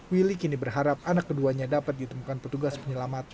willy kini berharap anak keduanya dapat ditemukan petugas penyelamat